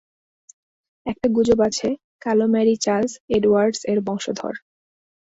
একটা গুজব আছে, কালো ম্যারি চার্লস এডওয়ার্ডস এর বংশধর।